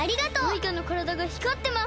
マイカのからだがひかってます！